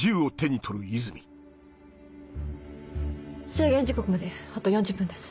制限時刻まであと４０分です。